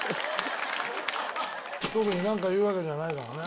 特になんか言うわけじゃないからね。